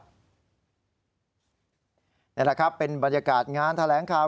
นี่แหละครับเป็นบรรยากาศงานแถลงข่าว